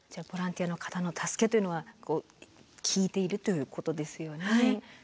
ボランティアの方の助けというのは聞いているということですよね。